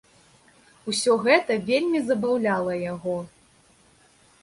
Усё гэта вельмі забаўляла яго.